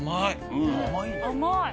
甘い。